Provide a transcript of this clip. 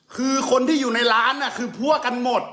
คือคนที่อยู่ในร้านคือพวกกันหมด